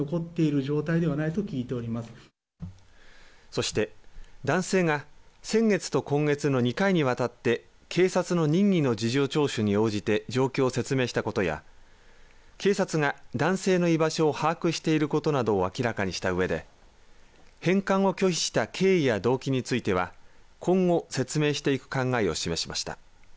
そして、男性が先月と今月の２回にわたって警察の任意の事情聴取に応じて状況を説明したことや警察が男性の居場所を把握していることなどを明らかにしたうえで返還を拒否した経緯や動機については今後、説明していく考えを示しました。